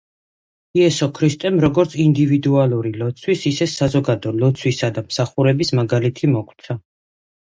იესო ქრისტემ როგორც ინდივიდუალური ლოცვის, ისე საზოგადო ლოცვისა და მსახურების მაგალითი მოგვცა.